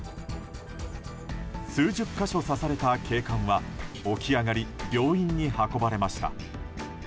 数十か所刺された警官は起き上がり病院に運ばれました。